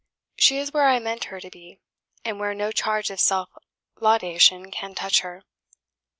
She is where I meant her to be, and where no charge of self laudation can touch her.